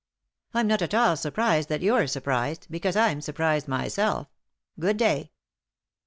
"I'm not at all surprised that you're surprised, because I'm surprised myself. Good day."